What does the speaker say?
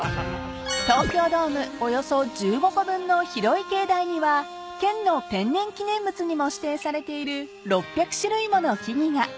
［東京ドームおよそ１５個分の広い境内には県の天然記念物にも指定されている６００種類もの木々が］